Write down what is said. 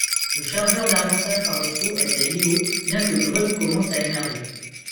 Le chargeur d'amorçage par défaut était Lilo bien que Grub commence à émerger.